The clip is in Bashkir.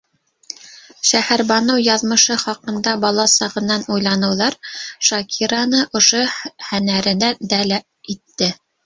Шәһәрбаныу яҙмышы хаҡында бала сағынан уйланыуҙар Шакираны ошо һәнәренә дәл итте...